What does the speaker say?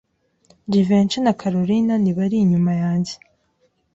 Jivency na Kalorina ntibari inyuma yanjye.